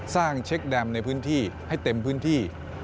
เช็คแดมในพื้นที่ให้เต็มพื้นที่